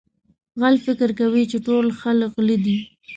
غل فکر کوي چې ټول خلک غله دي.